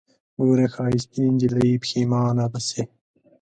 ګوره ښايستې نجلۍ پښېمانه به سې